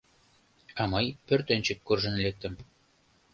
А мый пӧртӧнчык куржын лектым.